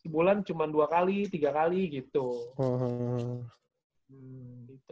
tiga bulan cuma dua kali tiga kali gitu